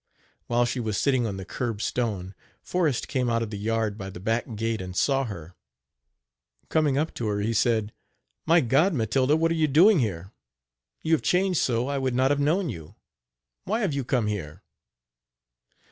While she was sitting on the curb stone, Forrest came out of the yard by the back gate and saw her. Coming up to her he said: "My God! Matilda, what are you doing here? You have changed so I would not have known you. Why have you come here?